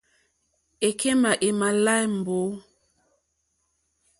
Èkémà émá èláǃá mbǒ.